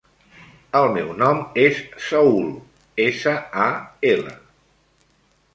El meu nom és Saül: essa, a, ela.